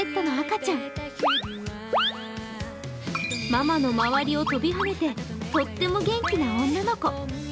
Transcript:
ママの周りを跳びはねて、とっても元気な女の子。